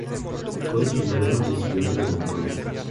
Fue el noveno presidente de Mongolia.